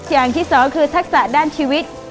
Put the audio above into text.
อย่างที่สองคือทักษะด้านชีวิต